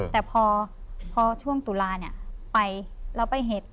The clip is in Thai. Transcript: แต่พอช่วงตุลาเนี่ยไปแล้วไปเห็น